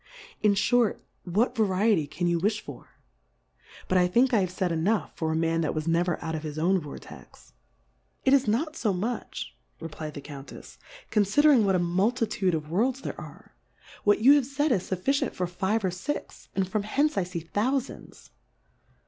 In iliort, what Variety can you willi for ? But, I think, I have faid enough for a Man that was never out of his own Vortex. It is not fo much, rej^lfd the Conn 'tefsj confidering what a 'Multitude of ^ World 144 D'ifcomfes on the Worlds there are ; what you have faid is fufficient for five or fix, and from hence I fee Thoufands.